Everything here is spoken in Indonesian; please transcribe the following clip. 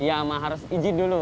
iya aman harus izin dulu